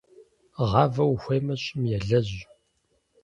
Гъавэ ухуеймэ, щӀым елэжь.